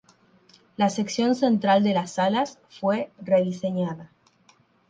La sección central de las alas fue rediseñada.